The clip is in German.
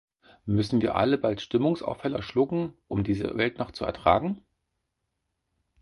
Müssen wir bald alle Stimmungsaufheller schlucken, um diese Welt noch zu ertragen?